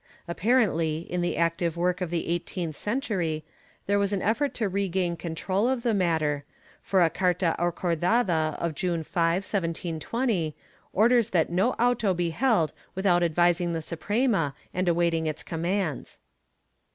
Apparently in the active work of the eighteenth century there was an effort to regain control of the matter, for a carta acordada of June 5, 1720, orders that no auto be held without advising the Suprema and awaiting its commands.